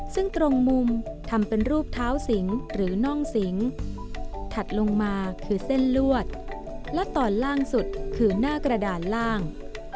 ซึ่งตรงมุมทำเป็นรูปเท้าสิงหรือน่องสิงถัดลงมาคือเส้นลวดและตอนล่างสุดคือหน้ากระดานล่าง